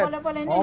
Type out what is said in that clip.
boleh boleh boleh